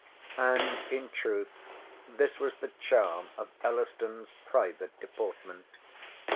And in truth this was the charm of Elliston's private deportment.